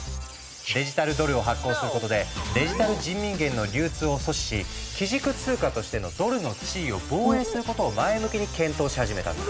デジタルドルを発行することでデジタル人民元の流通を阻止し基軸通貨としてのドルの地位を防衛することを前向きに検討し始めたんだ。